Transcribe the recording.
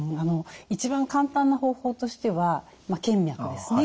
一番簡単な方法としては検脈ですね。